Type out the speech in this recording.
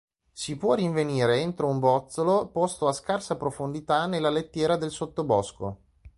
Si può rinvenire entro un bozzolo posto a scarsa profondità nella lettiera del sottobosco.